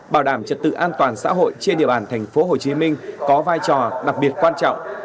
bảo đảm trật tự an toàn xã hội trên địa bàn tp hcm có vai trò đặc biệt quan trọng